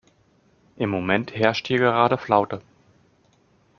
Im Moment herrscht hier gerade Flaute.